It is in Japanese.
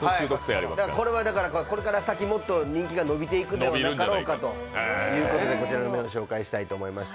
これはこれから先、もっと人気が伸びていくんじゃなかろうかということでこちらの麺を紹介したいと思いました。